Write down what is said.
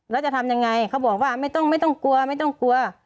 แล้วจะทำยังไงเขาบอกว่าไม่ต้องไม่ต้องกลัวไม่ต้องกลัว